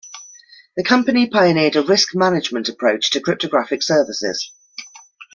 The company pioneered a risk management approach to cryptographic services.